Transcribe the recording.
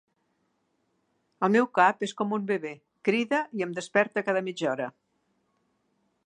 El meu cap és com un bebé, crida i em desperta cada mitja hora.